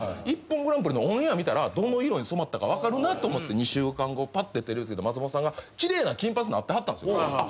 『ＩＰＰＯＮグランプリ』のオンエア見たらどの色に染まったか分かるなと思って２週間後パッてテレビつけたら松本さんが奇麗な金髪になってはったんですよ。